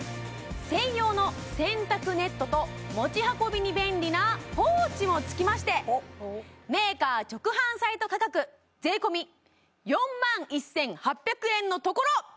専用の洗濯ネットと持ち運びに便利なポーチも付きましてメーカー直販サイト価格税込４万１８００円のところ